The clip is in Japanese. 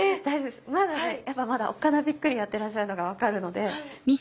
まだおっかなびっくりやってらっしゃるのが分かるので。